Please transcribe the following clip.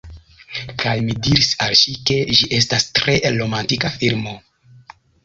Kaj mi diris al ŝi, ke ĝi estas tre romantika filmo.